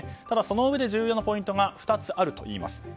ただそのうえで重要なポイントが２つあるといいます。